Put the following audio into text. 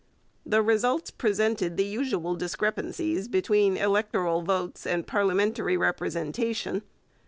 The results presented the usual discrepancies between electoral votes and parliamentary representation.